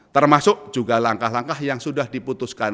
termasuk juga langkah langkah yang sudah diputuskan